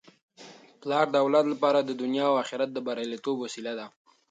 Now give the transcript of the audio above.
پلار د اولاد لپاره د دنیا او اخرت د بریالیتوب وسیله ده.